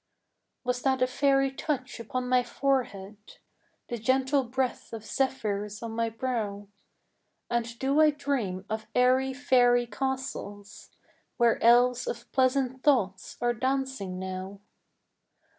Was that a fairy touch upon my forehead? The gentle breath of zephyrs on my brow? And do I dream of airy fairy castles Where elves of pleasant thoughts are dancing now?